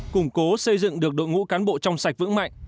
củng cố xây dựng được đội ngũ cán bộ trong sạch vững mạnh